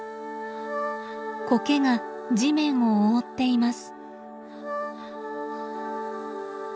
コケが地面を覆っています。